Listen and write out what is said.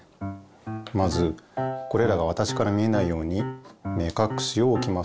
まずこれらがわたしから見えないように目かくしをおきます。